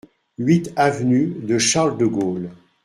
huit avenue de Charles De Gaulle